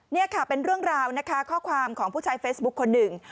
นี่ค่ะเป็นเรื่องราวนะคะข้อความของผู้ใช้เฟซบุ๊คคนหนึ่ง